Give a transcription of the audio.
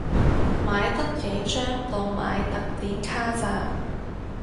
買得幾張當買特典卡咋